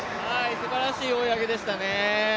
すばらしい追い上げでしたね。